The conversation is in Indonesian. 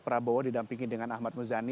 prabowo didampingi dengan ahmad muzani